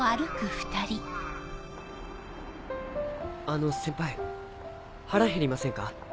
あの先輩腹へりませんか？